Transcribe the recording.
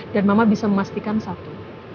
dan mama bisa memastikan satu